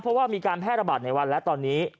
เพราะว่ามีการแพร่ระบาดในวันและตอนนี้